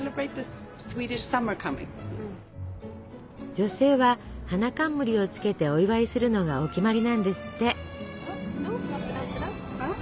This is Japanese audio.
女性は花冠をつけてお祝いするのがお決まりなんですって。